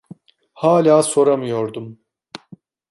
Hâlâ soramıyordum.